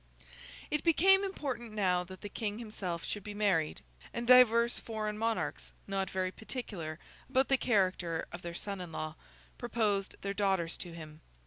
It became important now that the King himself should be married; and divers foreign Monarchs, not very particular about the character of their son in law, proposed their daughters to him.